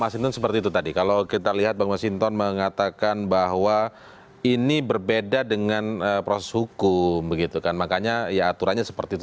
mas hinton seperti itu tadi kalau kita lihat bang mas hinton mengatakan bahwa ini berbeda dengan proses hukum begitu kan makanya ya aturannya seperti itu